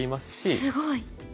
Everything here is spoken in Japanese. すごい。